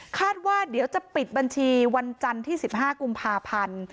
คาดว่าเดี๋ยวจะปิดบัญชีวันจันทร์ที่๑๕กุมภาพันธ์